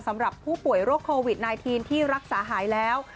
สำหรับผู้ป่วยโรคโควิด๑๙ที่รักษาหายแล้ว